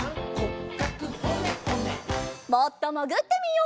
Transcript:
もっともぐってみよう。